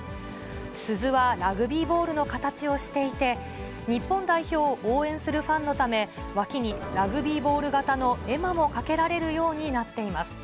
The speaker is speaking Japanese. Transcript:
鈴はラグビーボールの形をしていて、日本代表を応援するファンのため、脇にラグビーボール型の絵馬も掛けられるようになっています。